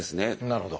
なるほど。